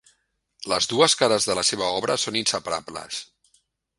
Les dues cares de la seva obra són inseparables.